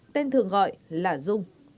tên thường gọi là dung